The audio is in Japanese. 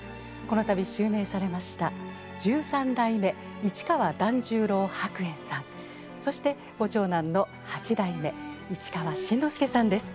この度襲名されました十三代目市川團十郎白猿さんそしてご長男の八代目市川新之助さんです。